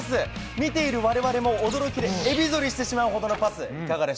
見ている我々も驚きでエビ反りしてしまうほどのパス。